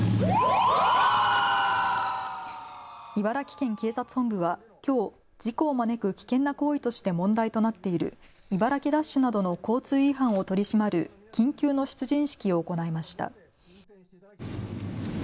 茨城県警察本部はきょう事故を招く危険な行為として問題となっている茨城ダッシュなどの交通違反を取り締まる緊急の出陣式を行いました。